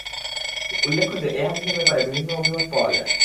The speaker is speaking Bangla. উল্লেখ্য যে, এ হাদীসের ব্যাপারে বিভিন্ন অভিমত পাওয়া যায়।